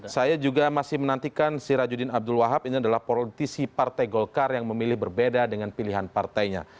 saya juga masih menantikan sirajudin abdul wahab ini adalah politisi partai golkar yang memilih berbeda dengan pilihan partainya